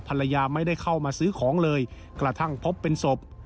ภรรยาไม่ได้เข้ามาซื้อของเลยกระทั่งพบเป็นศพ